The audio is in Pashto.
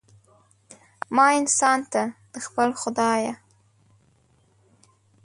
ما انسان ته، د خپل خدایه